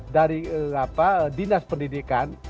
dari dinas pendidikan